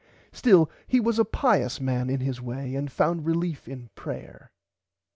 Still he was a pius man in his way and found relief in prayer.